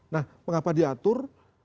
nah mengapa diatur